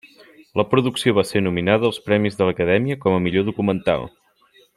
La producció va ser nominada als premis de l'acadèmia com a millor documental.